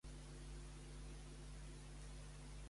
Qui va ser Locros, un altre familiar?